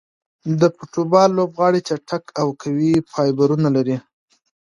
د فوټبال لوبغاړي چټک او قوي فایبرونه لري.